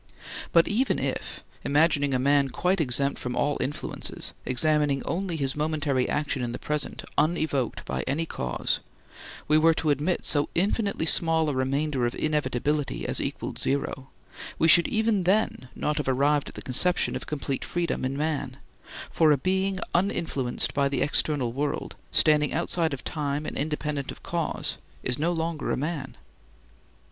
But even if—imagining a man quite exempt from all influences, examining only his momentary action in the present, unevoked by any cause—we were to admit so infinitely small a remainder of inevitability as equaled zero, we should even then not have arrived at the conception of complete freedom in man, for a being uninfluenced by the external world, standing outside of time and independent of cause, is no longer a man.